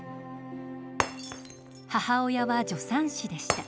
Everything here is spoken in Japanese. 母親は助産師でした。